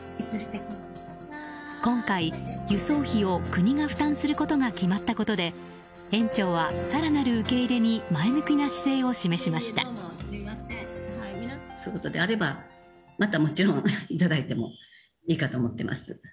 今回、輸送費を国が負担することが決まったことで園長は更なる受け入れに前向きな姿勢を示しました。